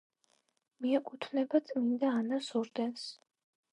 მიეკუთვნება წმინდა ანას ორდენს.